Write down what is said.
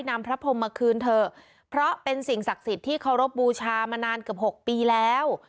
นำพระพรมมาคืนเถอะเพราะเป็นสิ่งศักดิ์สิทธิ์ที่เคารพบูชามานานเกือบหกปีแล้ว